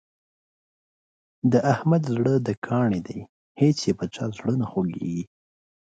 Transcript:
د احمد زړه د کاڼي دی هېڅ یې په چا زړه نه خوږېږي.